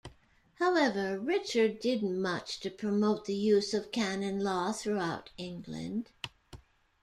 However, Richard did much to promote the use of canon law throughout England.